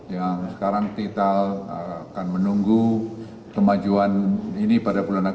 yang sekarang kita akan menunggu kemajuan ini pada bulan agustus